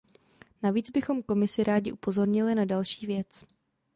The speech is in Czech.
Navíc bychom Komisi rádi upozornili na další věc.